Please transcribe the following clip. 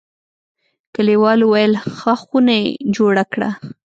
کلیوالو ویل: ښه خونه یې جوړه کړه.